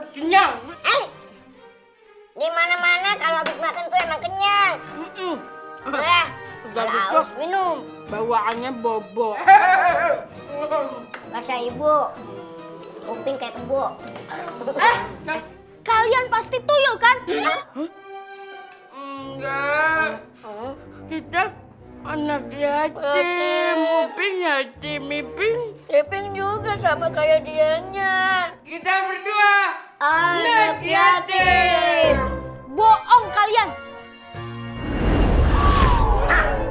juga sama kayak dianya kita berdua anak yatir bohong kalian